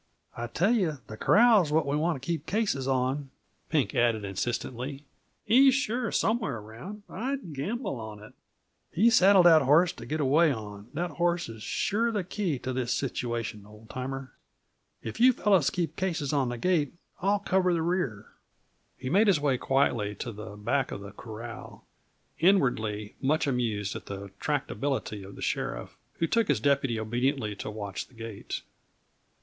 "I tell yuh the corral's what we want t' keep cases on," Pink added insistently. "He's sure somewheres around I'd gamble on it. He saddled that horse t' git away on. That horse is sure the key t' this situation, old timer. If you fellows'll keep cases on the gate, I'll cover the rear." He made his way quietly to the back of the corral, inwardly much amused at the tractability of the sheriff, who took his deputy obediently to watch the gate.